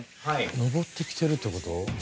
登ってきてるって事？